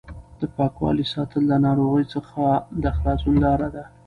د پاکوالي ساتل د ناروغۍ څخه د خلاصون لار ده.